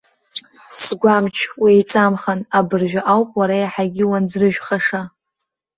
Сгәамч, уеиҵамхан, абыржәы ауп уара иаҳагьы уанӡрыжәхаша!